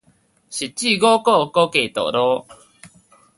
汐止五股高架道路